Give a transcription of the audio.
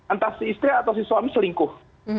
entah si istri atau si suami selingkuh